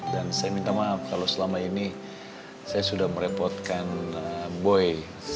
dan saya minta maaf kalau selama ini saya sudah merepotkan boy